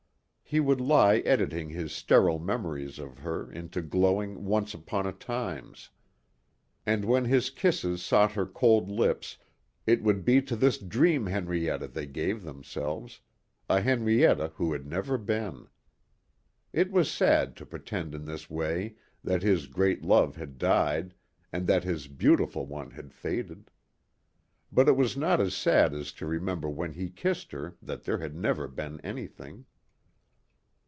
He would lie editing his sterile memories of her into glowing once upon a times. And when his kisses sought her cold lips it would be to this dream Henrietta they gave themselves, a Henrietta who had never been. It was sad to pretend in this way that his great love had died and that his beautiful one had faded. But it was not as sad as to remember when he kissed her that there had never been anything.